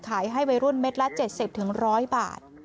ให้วัยรุ่นเม็ดละ๗๐๑๐๐บาท